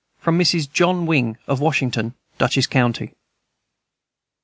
From Mrs. John Wing, of Washington, Dutchess county.